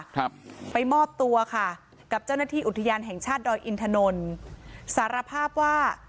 ครับไปมอบตัวค่ะกับเจ้าหน้าที่อุทยานแห่งชาติดอยอินทนนสารภาพว่า